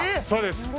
そうです。